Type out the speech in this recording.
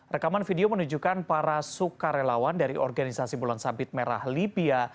rekaman video menunjukkan para sukarelawan dari organisasi bulan sabit merah lipia